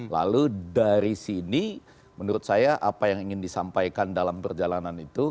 lalu dari sini menurut saya apa yang ingin disampaikan dalam perjalanan itu